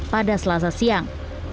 pada selasa siang